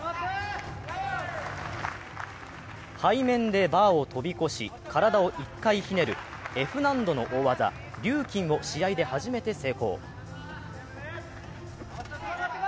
背面でバーを飛び越し、体を１回ひねるＦ難度の大技、リューキンを試合で初めて成功。